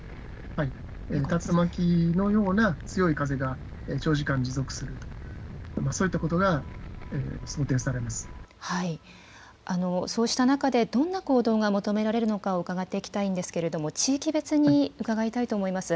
竜巻のような強い風が長時間持続すると、そういったことが想そうした中で、どんな行動が求められるのか、伺っていきたいんですけれども、地域別に伺いたいと思います。